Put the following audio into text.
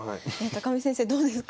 見先生どうですか？